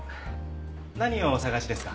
何をお探しですか？